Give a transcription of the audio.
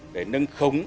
để nâng khống